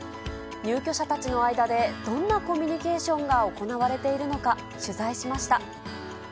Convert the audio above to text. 入居者たちの間で、どんなコミュニケーションが行われているのか。